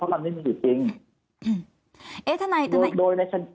เพราะมันนี่มันจริง